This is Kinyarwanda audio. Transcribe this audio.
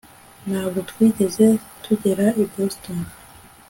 Ntabwo twigeze tugera i Boston